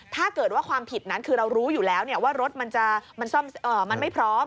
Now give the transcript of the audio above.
ถ้าเกิดว่าความผิดนั้นคือเรารู้อยู่แล้วว่ารถมันซ่อมมันไม่พร้อม